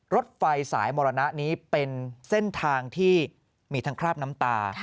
รถไฟสายมรณะนี้เป็นเส้นทางที่มีทั้งคราบน้ำตา